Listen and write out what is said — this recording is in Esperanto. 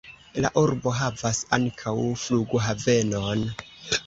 La urbo havas ankaŭ flughavenon.